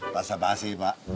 masa basi pak